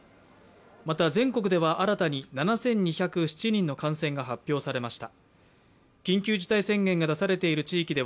また全国では新たに７２０７人の感染が発表されました。